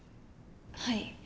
はい。